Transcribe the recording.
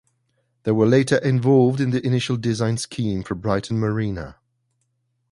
They were later involved in the initial design scheme for Brighton Marina.